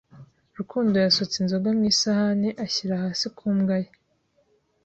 Rukundo yasutse inzoga mu isahani ayishyira hasi ku mbwa ye.